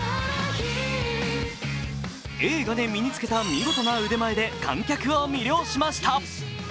映画で身に付けた見事な腕前で観客を魅了しました。